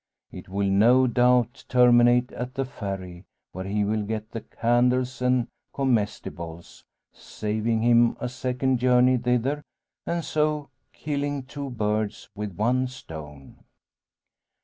It will no doubt terminate at the Ferry, where he will get the candles and comestibles, saving him a second journey thither, and so killing two birds with one stone.